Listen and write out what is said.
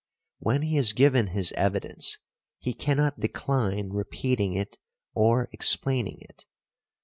When he has given his evidence he cannot decline repeating it, or explaining it.